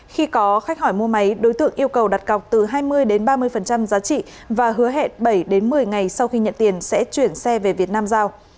khi có khách hỏi mua máy đối tượng yêu cầu đặt cọc từ hai mươi đến ba mươi giá trị và hứa hẹn bảy đến một mươi ngày sau khi nhận tiền sẽ chuyển xe về việt nam giao